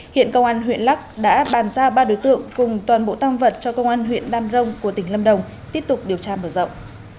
hiện công an huyện lắc đã bàn ra ba đối tượng cùng toàn bộ tăng vật cho công an huyện đam rông của tỉnh lâm đồng tiếp tục điều tra mở rộng